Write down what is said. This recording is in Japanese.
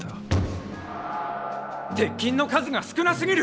鉄筋の数が少なすぎる。